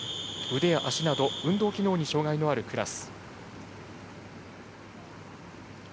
腕や足など運動機能に障がいのあるクラス。